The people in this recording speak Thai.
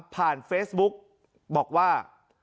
ผ่านเฟซบุ๊กบอกว่า